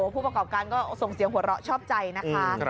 ผู้ประกอบการก็ส่งเสียงหัวเราะชอบใจนะคะ